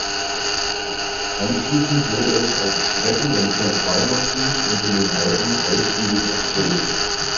Anschließend wurde es auf Strecken im Zentralmassiv und in den Alpen ausgiebig erprobt.